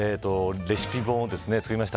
レシピ本を作りました。